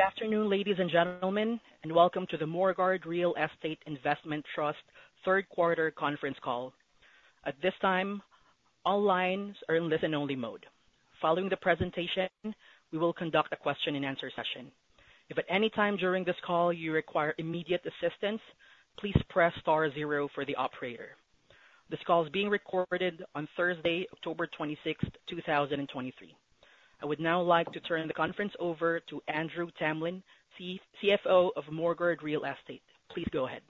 Good afternoon, ladies and gentlemen, and welcome to the Morguard Real Estate Investment Trust third quarter conference call. At this time, all lines are in listen-only mode. Following the presentation, we will conduct a question-and-answer session. If at any time during this call you require immediate assistance, please press star zero for the operator. This call is being recorded on Thursday, October 26th, 2023. I would now like to turn the conference over to Andrew Tamlin, CFO of Morguard Real Estate. Please go ahead.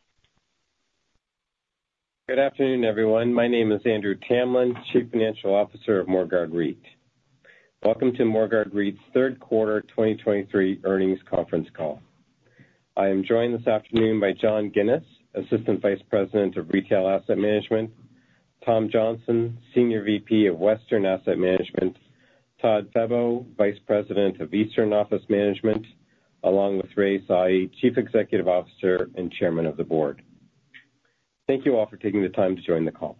Good afternoon, everyone. My name is Andrew Tamlin, Chief Financial Officer of Morguard REIT. Welcome to Morguard REIT's third quarter 2023 earnings conference call. I am joined this afternoon by John Ginis, Assistant Vice President of Retail Asset Management, Tom Johnston, Senior VP of Western Asset Management, Todd Febbo, Vice President of Eastern Office Management, along with Rai Sahi, Chief Executive Officer and Chairman of the Board. Thank you all for taking the time to join the call.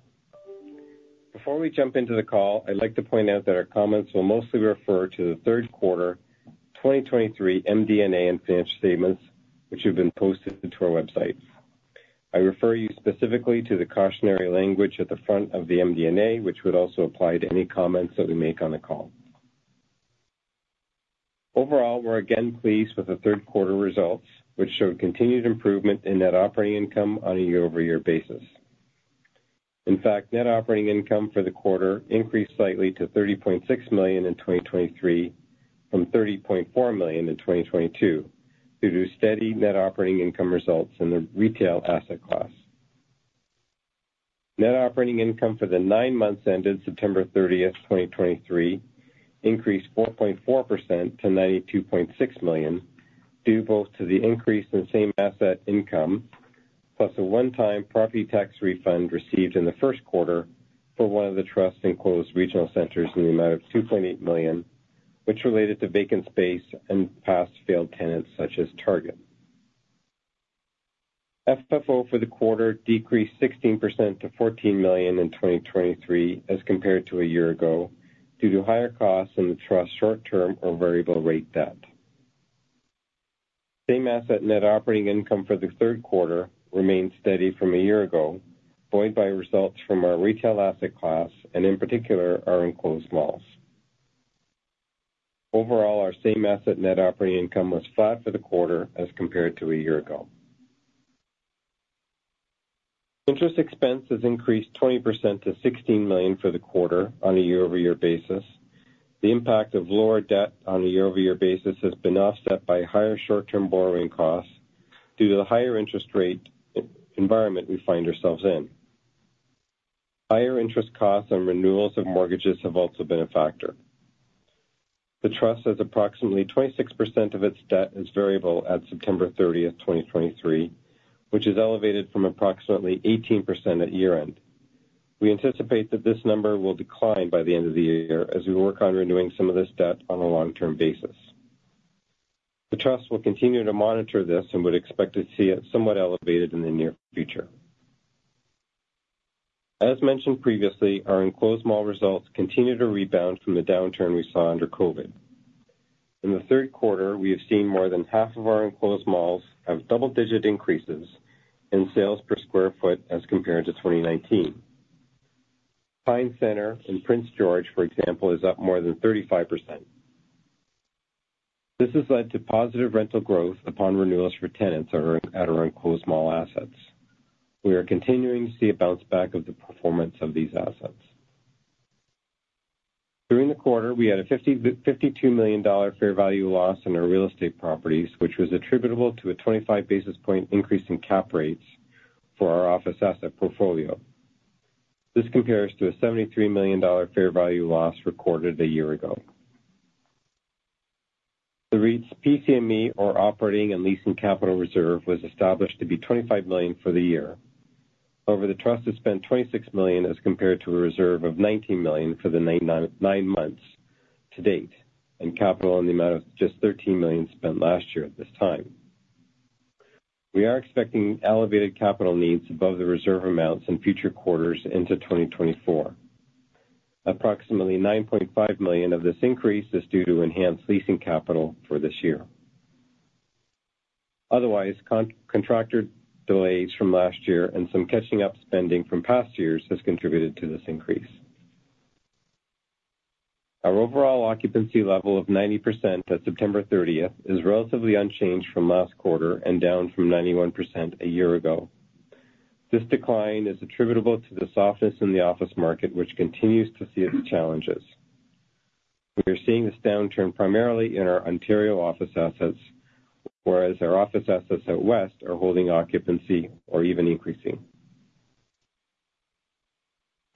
Before we jump into the call, I'd like to point out that our comments will mostly refer to the third quarter 2023 MD&A and financial statements, which have been posted to our website. I refer you specifically to the cautionary language at the front of the MD&A, which would also apply to any comments that we make on the call. Overall, we're again pleased with the third quarter results, which showed continued improvement in net operating income on a year-over-year basis. In fact, net operating income for the quarter increased slightly to 30.6 million in 2023 from 30.4 million in 2022, due to steady net operating income results in the retail asset class. Net operating income for the nine months ended September 30th, 2023, increased 4.4% to 92.6 million, due both to the increase in same asset income, plus a one-time property tax refund received in the first quarter for one of the trust's enclosed regional centers in the amount of 2.8 million, which related to vacant space and past failed tenants such as Target. FFO for the quarter decreased 16% to 14 million in 2023 as compared to a year ago, due to higher costs in the trust's short-term or variable rate debt. Same asset net operating income for the third quarter remained steady from a year ago, buoyed by results from our retail asset class and in particular, our enclosed malls. Overall, our same asset net operating income was flat for the quarter as compared to a year ago. Interest expense has increased 20% to 16 million for the quarter on a year-over-year basis. The impact of lower debt on a year-over-year basis has been offset by higher short-term borrowing costs due to the higher interest rate environment we find ourselves in. Higher interest costs and renewals of mortgages have also been a factor. The trust has approximately 26% of its debt is variable at September 30th, 2023, which is elevated from approximately 18% at year-end. We anticipate that this number will decline by the end of the year as we work on renewing some of this debt on a long-term basis. The trust will continue to monitor this and would expect to see it somewhat elevated in the near future. As mentioned previously, our enclosed mall results continue to rebound from the downturn we saw under COVID. In the third quarter, we have seen more than half of our enclosed malls have double-digit increases in sales per square foot as compared to 2019. Pine Centre in Prince George, for example, is up more than 35%. This has led to positive rental growth upon renewals for tenants at our enclosed mall assets. We are continuing to see a bounce back of the performance of these assets. During the quarter, we had a 52 million dollar fair value loss in our real estate properties, which was attributable to a 25 basis point increase in cap rates for our office asset portfolio. This compares to a 73 million dollar fair value loss recorded a year ago. The REIT's PCME or operating and leasing capital reserve, was established to be 25 million for the year. However, the trust has spent 26 million as compared to a reserve of 19 million for the nine months to date, and capital in the amount of just 13 million spent last year at this time. We are expecting elevated capital needs above the reserve amounts in future quarters into 2024. Approximately 9.5 million of this increase is due to enhanced leasing capital for this year. Otherwise, contractor delays from last year and some catching up spending from past years has contributed to this increase. Our overall occupancy level of 90% at September 30th is relatively unchanged from last quarter and down from 91% a year ago. This decline is attributable to the softness in the office market, which continues to see its challenges. We are seeing this downturn primarily in our Ontario office assets, whereas our office assets out west are holding occupancy or even increasing.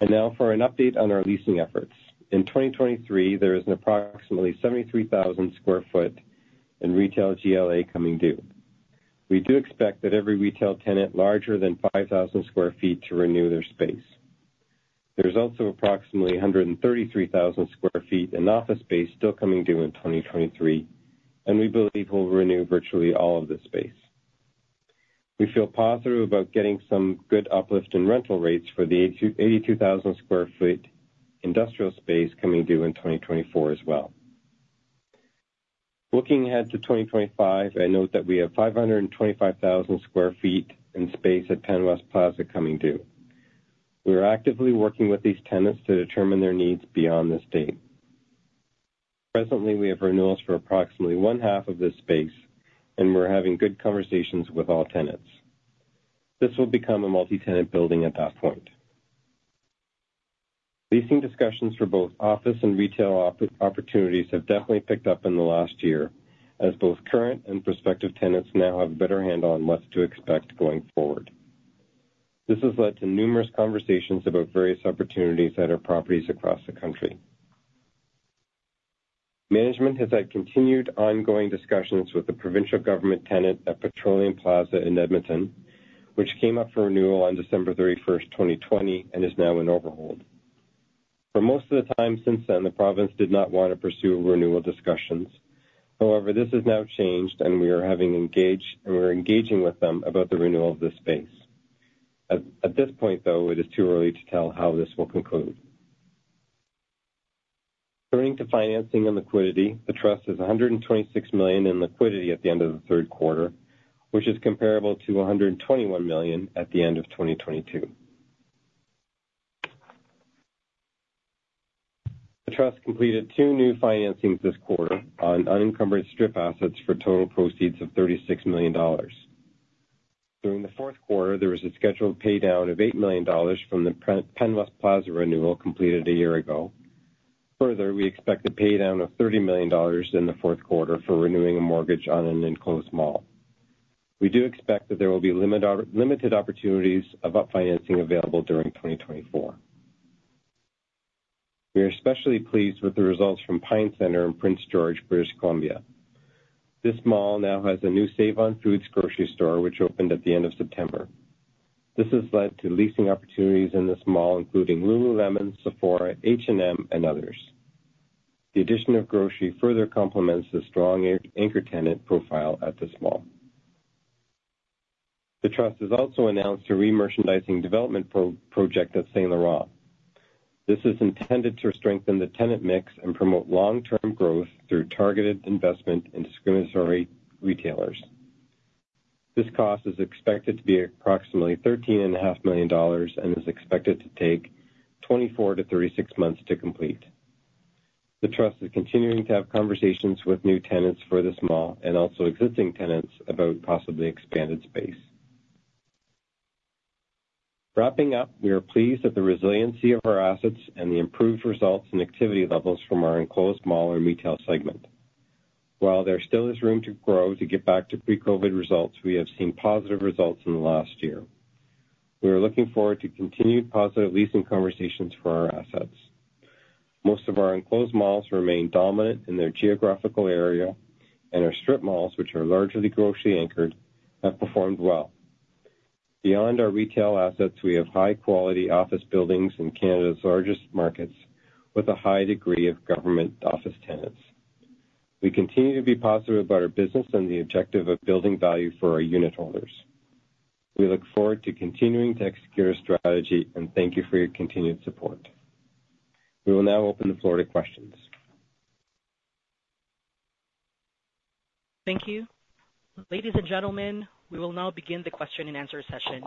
Now for an update on our leasing efforts. In 2023, there is approximately 73,000 sq ft in retail GLA coming due. We do expect that every retail tenant larger than 5,000 sq ft to renew their space. There's also approximately 133,000 sq ft in office space still coming due in 2023, and we believe we'll renew virtually all of this space. We feel positive about getting some good uplift in rental rates for the 82,000 sq ft industrial space coming due in 2024 as well. Looking ahead to 2025, I note that we have 525,000 sq ft in space at Penn West Plaza coming due. We are actively working with these tenants to determine their needs beyond this date. Presently, we have renewals for approximately one half of this space, and we're having good conversations with all tenants. This will become a multi-tenant building at that point. Leasing discussions for both office and retail opportunities have definitely picked up in the last year, as both current and prospective tenants now have a better handle on what to expect going forward. This has led to numerous conversations about various opportunities at our properties across the country. Management has had continued ongoing discussions with the provincial government tenant at Petroleum Plaza in Edmonton, which came up for renewal on December 31st, 2020, and is now in overhold. For most of the time since then, the province did not want to pursue renewal discussions. However, this has now changed, and we are engaging with them about the renewal of this space. At this point, though, it is too early to tell how this will conclude. Turning to financing and liquidity, the trust has 126 million in liquidity at the end of the third quarter, which is comparable to 121 million at the end of 2022. The trust completed two new financings this quarter on unencumbered strip assets for total proceeds of 36 million dollars. During the fourth quarter, there was a scheduled paydown of 8 million dollars from the Penn West Plaza renewal completed a year ago. Further, we expect a paydown of 30 million dollars in the fourth quarter for renewing a mortgage on an enclosed mall. We do expect that there will be limited opportunities about financing available during 2024. We are especially pleased with the results from Pine Centre in Prince George, British Columbia. This mall now has a new Save-On-Foods grocery store, which opened at the end of September. This has led to leasing opportunities in this mall, including Lululemon, Sephora, H&M, and others. The addition of grocery further complements the strong anchor tenant profile at this mall. The trust has also announced a re-merchandising development project at St. Laurent. This is intended to strengthen the tenant mix and promote long-term growth through targeted investment in discretionary retailers. This cost is expected to be approximately 13.5 million dollars and is expected to take 24-36 months to complete. The trust is continuing to have conversations with new tenants for this mall and also existing tenants about possibly expanded space. Wrapping up, we are pleased at the resiliency of our assets and the improved results and activity levels from our enclosed mall and retail segment. While there still is room to grow to get back to pre-COVID results, we have seen positive results in the last year. We are looking forward to continued positive leasing conversations for our assets. Most of our enclosed malls remain dominant in their geographical area, and our strip malls, which are largely grocery-anchored, have performed well. Beyond our retail assets, we have high-quality office buildings in Canada's largest markets, with a high degree of government office tenants. We continue to be positive about our business and the objective of building value for our unitholders. We look forward to continuing to execute our strategy, and thank you for your continued support. We will now open the floor to questions. Thank you. Ladies and gentlemen, we will now begin the question-and-answer session.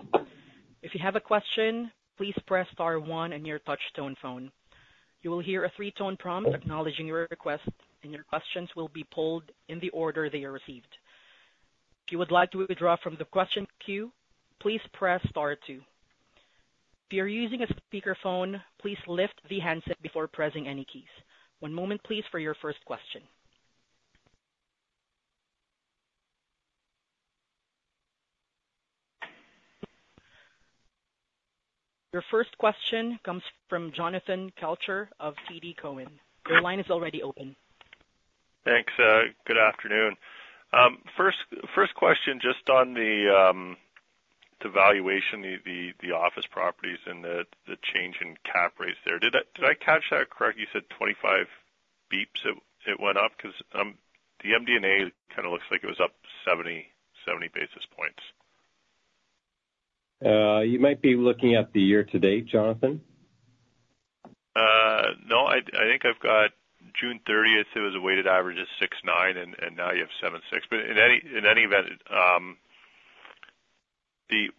If you have a question, please press star one on your touch-tone phone. You will hear a three-tone prompt acknowledging your request, and your questions will be polled in the order they are received. If you would like to withdraw from the question queue, please press star two. If you're using a speakerphone, please lift the handset before pressing any keys. One moment, please, for your first question. Your first question comes from Jonathan Kelcher of TD Cowen. Your line is already open. Thanks, good afternoon. First, first question, just on the valuation, the office properties and the change in cap rates there. Did I catch that correct? You said 25 basis points it went up? Because the MD&A kind of looks like it was up 70, 70 basis points. You might be looking at the year-to-date, Jonathan. No, I think I've got June 30th. It was a weighted average of 6.9, and now you have 7.6. In any event,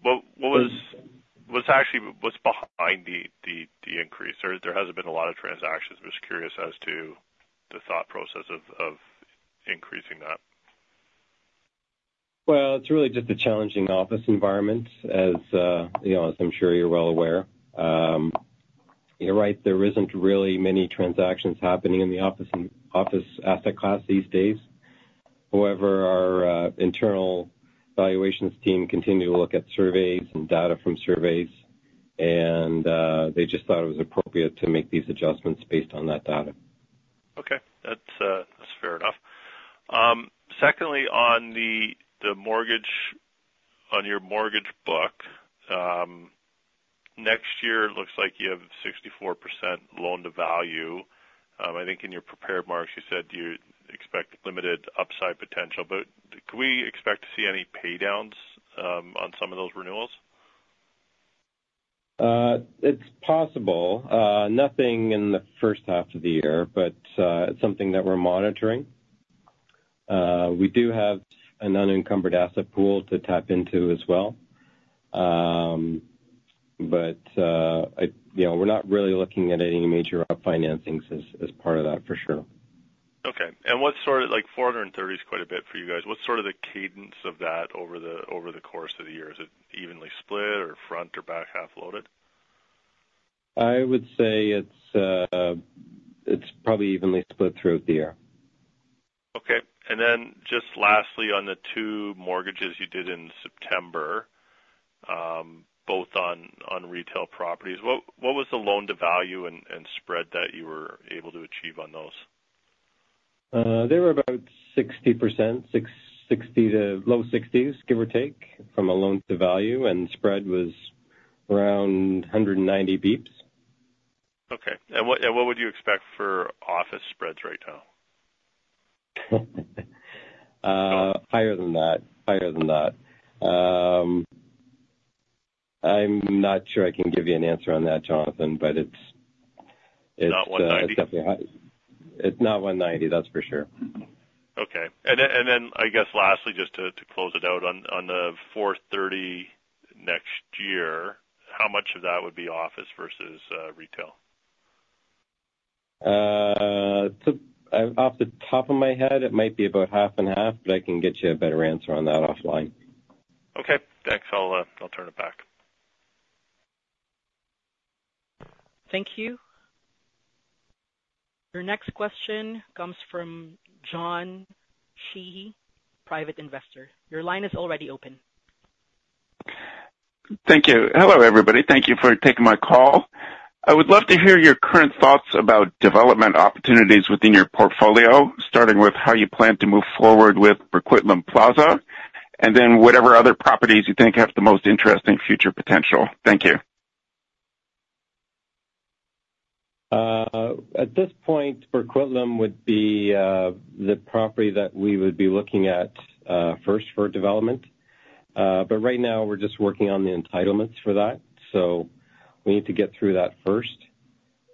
what was, what's actually, what's behind the increase? There hasn't been a lot of transactions. I'm just curious as to the thought process of increasing that. Well, it's really just a challenging office environment, as, you know, as I'm sure you're well aware. You're right, there isn't really many transactions happening in the office asset class these days. However, our internal valuations team continue to look at surveys and data from surveys, and they just thought it was appropriate to make these adjustments based on that data. Okay. That's fair enough. Secondly, on the mortgage, on your mortgage book, next year, it looks like you have 64% loan-to-value. I think in your prepared marks, you said you expect limited upside potential, but can we expect to see any pay downs on some of those renewals? It's possible. Nothing in the first half of the year, but it's something that we're monitoring. We do have an unencumbered asset pool to tap into as well. But you know, we're not really looking at any major financings as part of that, for sure. Okay. What sort of like 430 is quite a bit for you guys. What's sort of the cadence of that over the course of the year? Is it evenly split or front- or back-half loaded? I would say it's, it's probably evenly split throughout the year. Okay. Lastly, on the two mortgages you did in September, both on retail properties, what was the loan-to-value and spread that you were able to achieve on those? They were about 60%, 60% to low 60s, give or take, from a loan-to-value, and spread was around 190 basis points. Okay. What would you expect for office spreads right now? Higher than that. Higher than that. I'm not sure I can give you an answer on that, Jonathan, but it's, it's- Not 190 basis points? It's not 190 basis points, that's for sure. Okay. I guess lastly, just to close it out on the 430 next year, how much of that would be office versus retail? Off the top of my head, it might be about half and half, but I can get you a better answer on that offline. Okay, thanks. I'll turn it back. Thank you. Your next question comes from John Sheehy, private investor. Your line is already open. Thank you. Hello, everybody. Thank you for taking my call. I would love to hear your current thoughts about development opportunities within your portfolio, starting with how you plan to move forward with Burquitlam Plaza, and then whatever other properties you think have the most interesting future potential. Thank you. At this point, Burquitlam would be the property that we would be looking at first for development. Right now we're just working on the entitlements for that. We need to get through that first.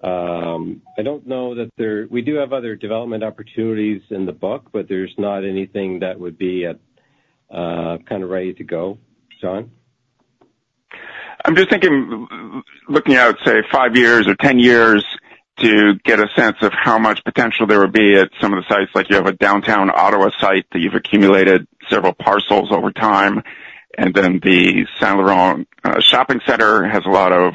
I don't know that there—we do have other development opportunities in the book, but there's not anything that would be at kind of ready to go, John. I'm just thinking, looking out, say, five years or 10 years, to get a sense of how much potential there would be at some of the sites, like you have a downtown Ottawa site that you've accumulated several parcels over time, and then the St. Laurent Shopping Centre has a lot of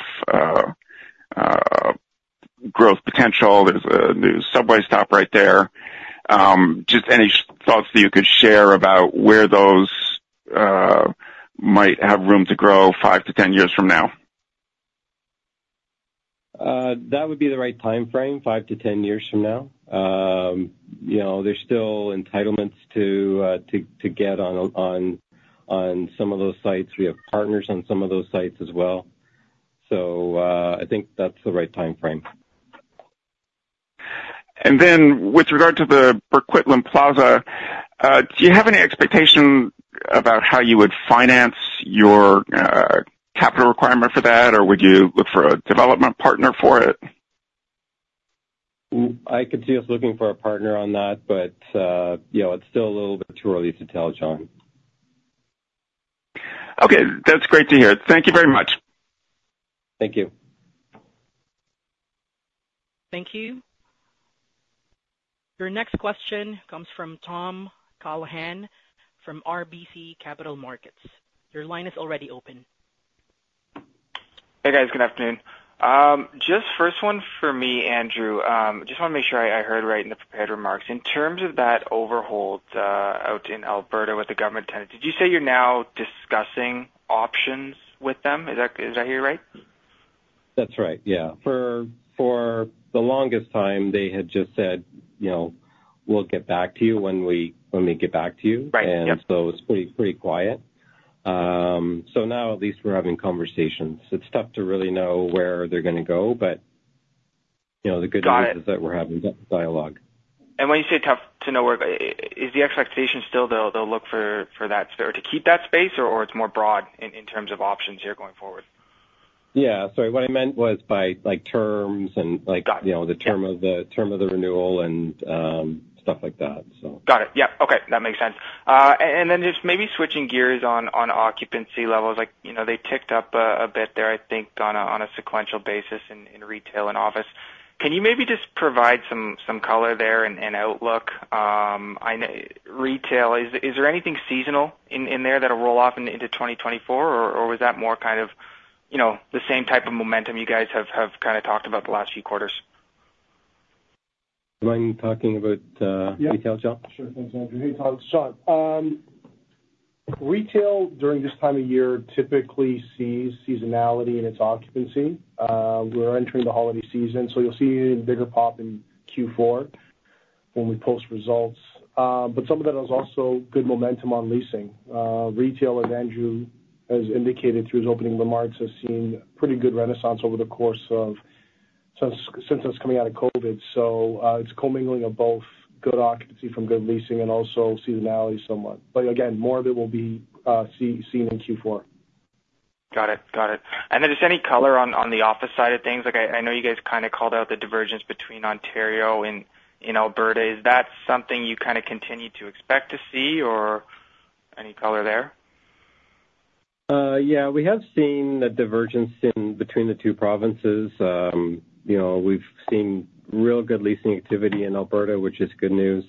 growth potential. There's a new subway stop right there. Just any thoughts that you could share about where those might have room to grow five to 10 years from now? That would be the right timeframe, five to 10 years from now. You know, there's still entitlements to get on some of those sites. We have partners on some of those sites as well. So, I think that's the right timeframe. Then, with regard to the Burquitlam Plaza, do you have any expectation about how you would finance your capital requirement for that, or would you look for a development partner for it? I could see us looking for a partner on that, but, you know, it's still a little bit too early to tell, John. Okay. That's great to hear. Thank you very much. Thank you. Thank you. Your next question comes from Tom Callaghan from RBC Capital Markets. Your line is already open. Hey, guys. Good afternoon. Just first one for me, Andrew. Just want to make sure I heard right in the prepared remarks. In terms of that overhold, out in Alberta with the government tenant, did you say you're now discussing options with them? Is that? Did I hear right? That's right, yeah. For the longest time, they had just said, you know, "We'll get back to you when we get back to you. Right. Yep. And so it's pretty, pretty quiet. So now at least we're having conversations. It's tough to really know where they're gonna go, but, you know, the good news- Got it. is that we're having dialogue. When you say tough to know where, is the expectation still they'll look for that space or to keep that space, or it's more broad in terms of options here going forward? Yeah, sorry. What I meant was by like, terms and like- Got it. you know, the term of the, term of the renewal and, stuff like that, so. Got it. Yeah. Okay, that makes sense. And then just maybe switching gears on occupancy levels, like, you know, they ticked up a bit there, I think, on a sequential basis in retail and office. Can you maybe just provide some color there and outlook? I know retail, is there anything seasonal in there that'll roll off into 2024? Or was that more kind of, you know, the same type of momentum you guys have kind of talked about the last few quarters? Do you mind me talking about retail, John? Sure thing, Andrew. Hey, Tom. John, retail, during this time of year, typically sees seasonality in its occupancy. We're entering the holiday season, so you'll see a bigger pop in Q4 when we post results. Some of that is also good momentum on leasing. Retail, as Andrew has indicated through his opening remarks, has seen pretty good renaissance over the course of—since, since us coming out of COVID. It's commingling of both good occupancy from good leasing and also seasonality somewhat. Again, more of it will be seen in Q4. Got it. Got it. And then just any color on, on the office side of things? Like I, I know you guys kind of called out the divergence between Ontario and, and Alberta. Is that something you kind of continue to expect to see or any color there? Yeah, we have seen a divergence in between the two provinces. You know, we've seen real good leasing activity in Alberta, which is good news.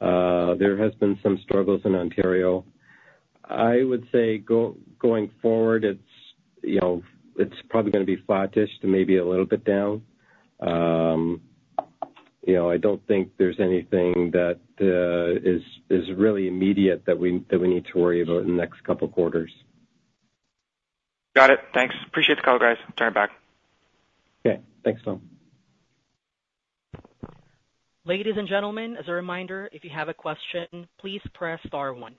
There has been some struggles in Ontario. I would say going forward, it's, you know, it's probably gonna be flattish to maybe a little bit down. You know, I don't think there's anything that is really immediate that we need to worry about in the next couple quarters. Got it. Thanks. Appreciate the call, guys. Turn it back. Okay. Thanks, Tom. Ladies and gentlemen, as a reminder, if you have a question, please press star one.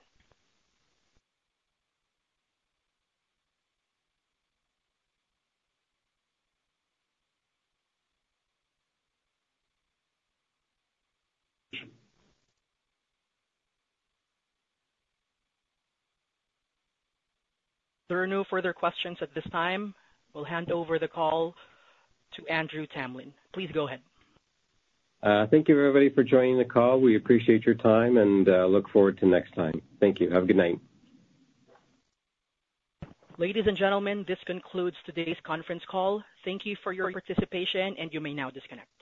There are no further questions at this time. We'll hand over the call to Andrew Tamlin. Please go ahead. Thank you, everybody, for joining the call. We appreciate your time and look forward to next time. Thank you. Have a good night. Ladies and gentlemen, this concludes today's conference call. Thank you for your participation, and you may now disconnect.